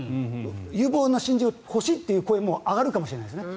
有望な新人が欲しいという声も上がるかもしれないですね。